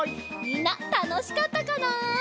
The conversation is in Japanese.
みんなたのしかったかな？